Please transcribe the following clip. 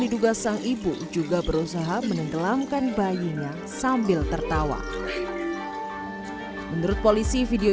diduga sang ibu juga berusaha menenggelamkan bayinya sambil tertawa menurut polisi video